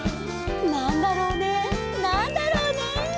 「なんだろうねなんだろうね」